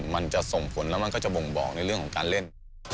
มันจะส่งผลแล้วมันก็จะบ่งบอกในเรื่องของการเล่น